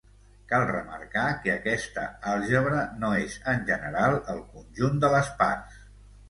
Cal remarcar que aquesta àlgebra no és, en general, el conjunt de les parts.